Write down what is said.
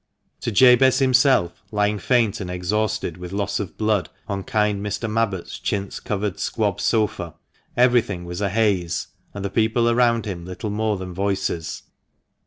To Jabez himself, lying faint and exhausted with loss of blood on kind Mr. Mabbott's chintz covered squab sofa, everything was a haze, and the people around him little more than voices.